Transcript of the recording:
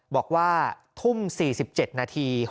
บอกว่าทุ่ม๔๗นาที